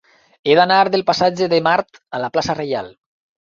He d'anar del passatge de Mart a la plaça Reial.